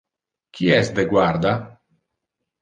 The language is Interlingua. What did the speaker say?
Qui es de guarda?